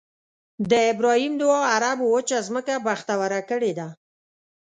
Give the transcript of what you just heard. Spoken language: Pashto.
د ابراهیم دعا عربو وچه ځمکه بختوره کړې ده.